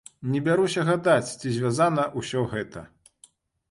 Не бяруся гадаць, ці звязана ўсё гэта.